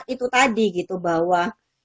itu tadi gitu bahwa